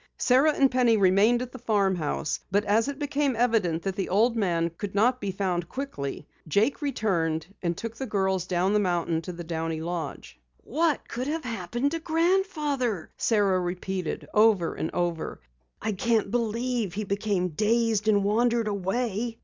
Sara and Penny remained at the farm house, but as it became evident that the old man would not be found quickly, Jake returned and took the girls down the mountain to the Downey lodge. "What could have happened to Grandfather?" Sara repeated over and over. "I can't believe he became dazed and wandered away."